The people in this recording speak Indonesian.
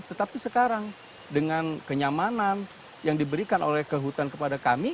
tetapi sekarang dengan kenyamanan yang diberikan oleh kehutan kepada kami